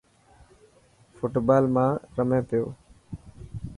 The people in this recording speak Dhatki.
فوٽ بال مان رمي پيو.